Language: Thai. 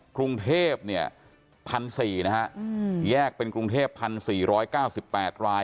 กรุงเทพฯ๑๔๐๐รายแยกเป็นกรุงเทพฯ๑๔๙๘ราย